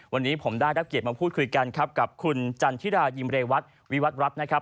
วันนี้ผมได้รับเกียรติมาพูดคุยกันครับกับคุณจันทิรายิมเรวัตวิวัตรรัฐนะครับ